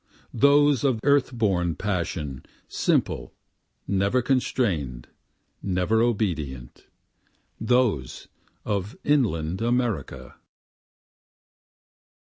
Those of earth born passion, simple, never constrain'd, never obedient, Those of inland America.